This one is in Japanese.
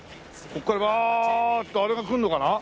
ここからバーッとあれがくるのかな？